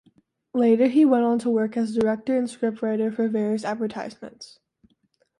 Later he went on to work as Director and scriptwriter for various advertisements.